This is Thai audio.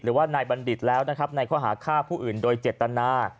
หรือว่านายบัณฑิตแล้วนะครับในข้อหาฆ่าผู้อื่นโดยเจตนา